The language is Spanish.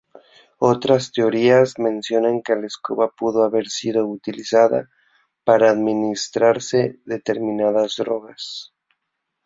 Otras teorías mencionan que la escoba pudo haber sido utilizada para administrarse determinadas drogas.